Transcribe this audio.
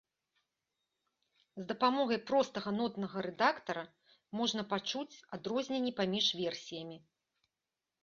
З дапамогай простага нотнага рэдактара можна пачуць адрозненні паміж версіямі.